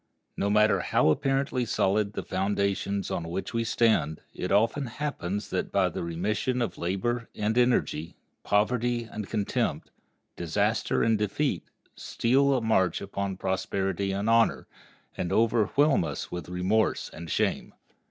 No matter how apparently solid the foundations on which we stand, it often happens that by the remission of labor and energy, poverty and contempt, disaster and defeat steal a march upon prosperity and honor, and overwhelm us with remorse and shame.